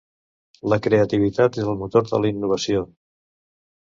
La creativitat és el motor de la innovació.